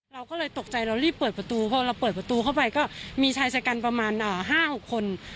เราก็เลยตกใจเรารีบเปิดประตูพอเราเปิดประตูเข้าไปก็มีชายชะกันประมาณ๕๖คน